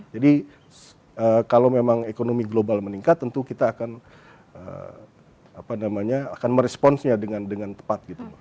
jadi kalau memang ekonomi global meningkat tentu kita akan meresponnya dengan tepat